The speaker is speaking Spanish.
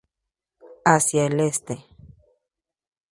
Hacia el este.